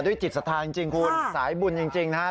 ด้วยจิตสะทานจริงคุณสายบุญจริงนะฮะ